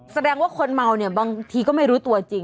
แสดงว่าคนเมาเนี่ยบางทีก็ไม่รู้ตัวจริง